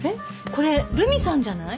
これ留美さんじゃない？